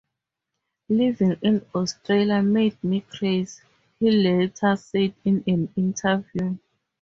"Living in Australia made me crazy", he later said in an interview.